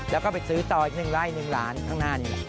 แล้วก็ไปซื้อต่ออีก๑ไร่๑ล้านข้างหน้านี่แหละ